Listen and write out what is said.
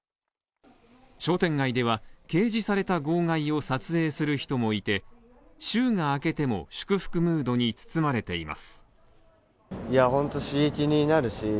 商店街では、掲示された号外を撮影する人もいて、週が明けても、祝福ムードに包まれています。